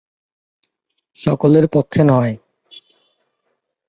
সকলের পক্ষে নয়।